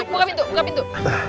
buka pintu buka pintu